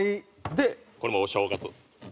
でこれもお正月。